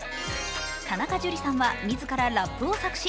田中樹さんは自らラップを作詞。